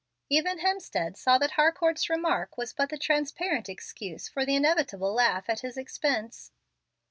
Even Hemstead saw that Harcourt's remark was but the transparent excuse for the inevitable laugh at his expense.